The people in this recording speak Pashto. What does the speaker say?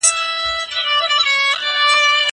زه مخکي ږغ اورېدلی و!